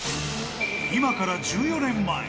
今から１４年前。